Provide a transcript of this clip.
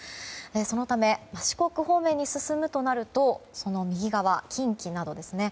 そのため四国方面に進むとなるとその右側、近畿などですね。